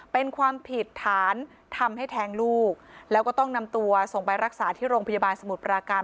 เป็นความผิดฐานทำให้แทงลูกแล้วก็ต้องนำตัวส่งไปรักษาที่โรงพยาบาลสมุทรปราการ